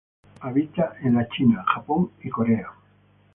Habita en la China, Japón y Corea.